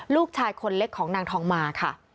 ลูกชายคนเล็กของนางทองมาค่ะ